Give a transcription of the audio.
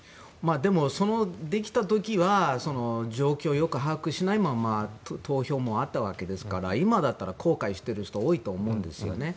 でも、できた時は状況をよく把握しないままの投票もあったわけですから今だったら後悔している人が多いと思うんですね。